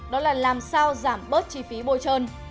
đó là làm sao giảm bớt chi phí bôi trơn